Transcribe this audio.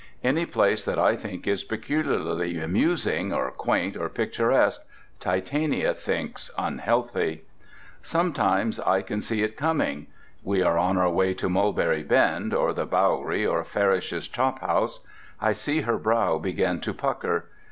Any place that I think is peculiarly amusing, or quaint, or picturesque, Titania thinks is unhealthy. Sometimes I can see it coming. We are on our way to Mulberry Bend, or the Bowery, or Farrish's Chop House. I see her brow begin to pucker.